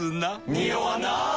ニオわない！